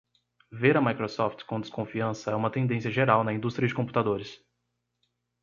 Ver a Microsoft com desconfiança é uma tendência geral na indústria de computadores.